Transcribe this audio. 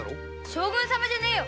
将軍様じゃねぇよ。